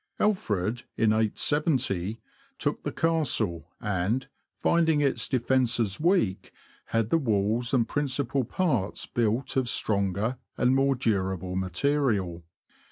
Alfred, in 870, took the Castle, and, finding its defences weak, had the walls and principal parts built of stronger and more durable material.